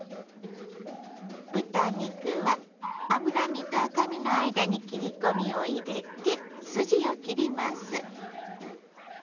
豚肉は脂身と赤身の間に切り込みを入れて筋を切ります。